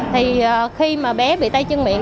thì khi mà bé bị tay chân miệng